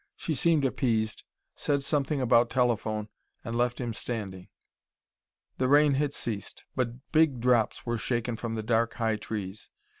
She seemed appeased said something about telephone and left him standing. The rain had ceased, but big drops were shaken from the dark, high trees.